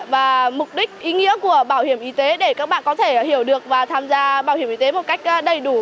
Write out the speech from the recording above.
và mục đích ý nghĩa của bảo hiểm y tế để các bạn có thể hiểu được và tham gia bảo hiểm y tế một cách đầy đủ